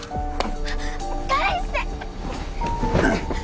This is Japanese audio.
返して！